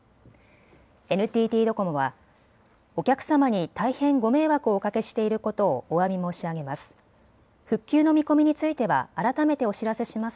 ＮＴＴドコモはお客様に大変ご迷惑をおかけしていることをおわび申し上げます。